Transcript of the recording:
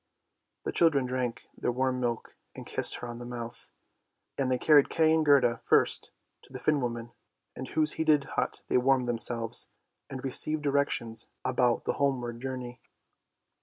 The children drank her warm milk and kissed her on the mouth. Then they carried Kay and Gerda, first to the Finn woman, in whose heated hut they warmed them selves and received directions about the homeward journey.